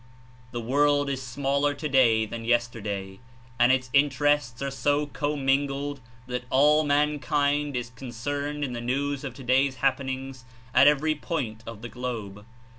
The world Is smaller today than yesterday and Its interests are so commingled that all mankind is con cerned in the news of today's happenings at ever>^ point of the globe.